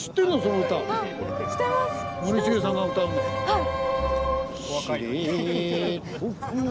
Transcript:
はい。